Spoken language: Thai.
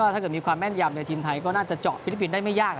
ถ้าเกิดมีความแม่นยำในทีมไทยก็น่าจะเจาะฟิลิปปินส์ได้ไม่ยาก